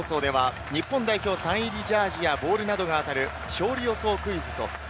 地上波データ放送では日本代表サイン入りジャージーやボールなどが当たる勝利予想